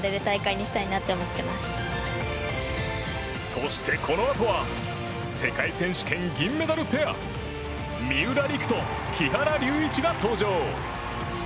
そして、このあとは世界選手権銀メダルペア三浦璃来と木原龍一が登場。